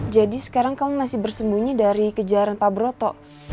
jadi sekarang kamu masih bersembunyi dari kejaran pak broto